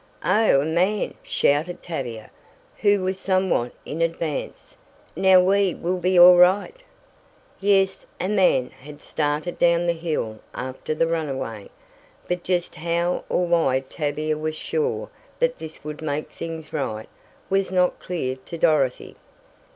"Oh, a man!" shouted Tavia, who was somewhat in advance. "Now we will be all right!" Yes, a man had started down the hill after the runaway, but just how or why Tavia was sure that this would make things right, was not clear to Dorothy.